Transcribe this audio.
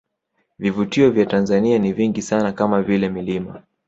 Vivutio vya Tanzania ni vingi sana kama vile milima